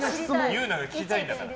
祐奈が聞きたいんだから。